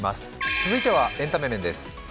続いてはエンタメ面です。